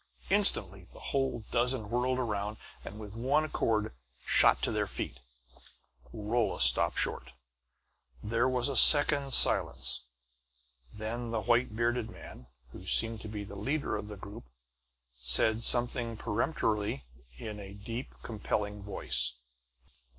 Instantly the whole dozen whirled around and with one accord shot to their feet. Rolla stopped short. There was a second's silence; then the white bearded man, who seemed to be the leader of the group, said something peremptory in a deep, compelling voice.